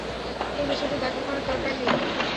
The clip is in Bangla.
ওদের সাথে দেখা করার দরকার নেই।